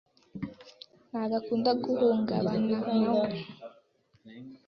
ntabwo akunda guhungabanawe.